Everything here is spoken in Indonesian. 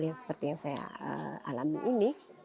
yang seperti yang saya alami ini